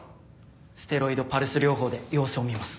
ステロイドパルス療法で様子を見ます。